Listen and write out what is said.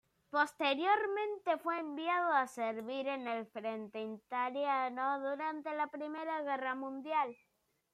Posteriormente fue enviado a servir en el frente italiano durante la Primera Guerra Mundial.